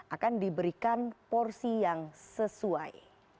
akan diberikan porsi yang sesuai